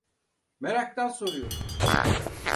Meraktan soruyorum.